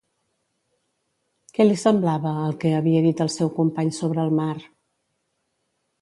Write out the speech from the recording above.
Què li semblava el que havia dit el seu company sobre el mar?